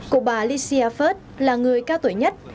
cụ bà licia furt là người cao tuổi nhất